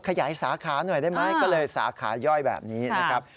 ขยายสาขาหน่อยได้ไหมก็เลยสาขาย่อยแบบนี้นะครับ